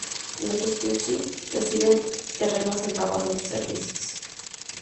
Los "streltsí" recibían terrenos en pago a sus servicios.